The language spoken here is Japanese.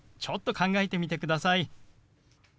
ちょっと考えてみてください。